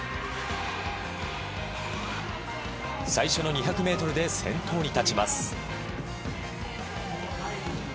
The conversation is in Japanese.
最初の２００ｍで先頭に立ちます。